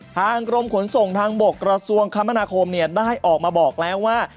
กรมขนส่งทางบกกระทรวงคมนาคมได้ออกมาบอกแล้วว่า